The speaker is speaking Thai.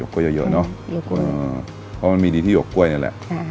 เพราะว่ามันมีดีที่หยกแก้วเนี่ยแหละ